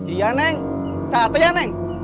iya neng satu ya neng